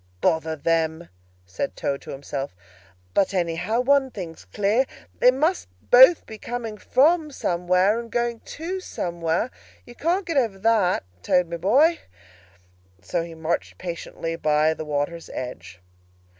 "Bother them!" said Toad to himself. "But, anyhow, one thing's clear. They must both be coming from somewhere, and going to somewhere. You can't get over that. Toad, my boy!" So he marched on patiently by the water's edge.